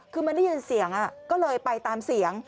คือมันได้ยินเสียงก็เลยไปตามเสียง